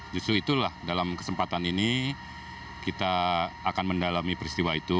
justru itulah dalam kesempatan ini kita akan mendalami peristiwa itu